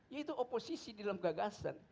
ya itu oposisi dalam gagasan